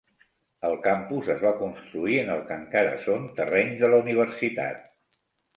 El campus es va construir en el que encara són terrenys de la universitat.